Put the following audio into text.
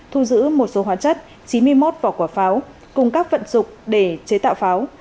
thu giữ một số hóa chất chín mươi một vỏ quả pháo cùng các vận dụng để chế tạo pháo